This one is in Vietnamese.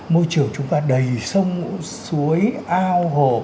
môi trường chúng ta đầy sông suối ao hồ